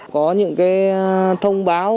có những thông báo